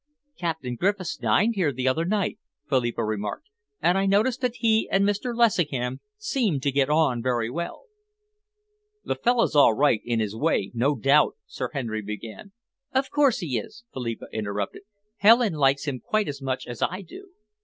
"Captain Griffiths dined here the other night," Philippa remarked, "and I noticed that he and Mr. Lessingham seemed to get on very well." "The fellow's all right in his way, no doubt," Sir Henry began. "Of course he is," Philippa interrupted. "Helen likes him quite as much as I do."